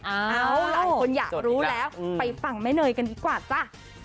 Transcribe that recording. หลายคนอยากรู้แล้วไปฟังแม่เนยกันดีกว่าจ้ะ